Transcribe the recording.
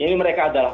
ini mereka adalah